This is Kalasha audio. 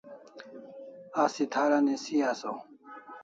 Asi thara nisi asaw